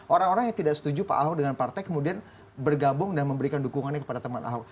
orang orang yang tidak setuju pak ahok dengan partai kemudian bergabung dan memberikan dukungannya kepada teman ahok